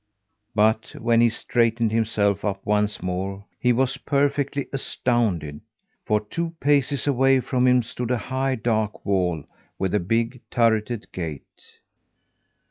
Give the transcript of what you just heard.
But when he straightened himself up once more he was perfectly astounded, for two paces away from him stood a high, dark wall with a big, turreted gate.